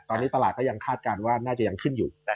ตอนนี้ตลาดก็ยังคาดการณ์ว่าน่าจะยังขึ้นอยู่